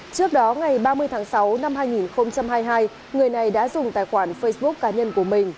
trước đó ngày ba mươi tháng sáu năm hai nghìn hai mươi hai người này đã dùng tài khoản facebook cá nhân của mình